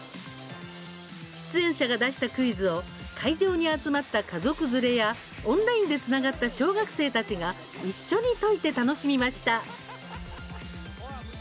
出演者が出したクイズを会場に集まった家族連れやオンラインでつながった小学生たちが一緒に解いて楽しみました。